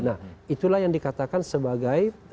nah itulah yang dikatakan sebagai